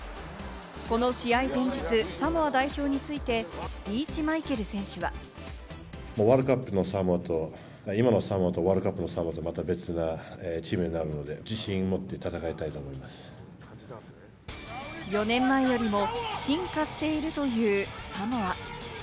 この試合前日、サモア代表についてリーチ・マイケル選手は。４年前よりも進化しているというサモア。